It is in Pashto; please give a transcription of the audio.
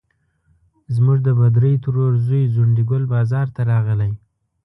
زموږ د بدرۍ ترور زوی ځونډي ګل بازار ته راغلی.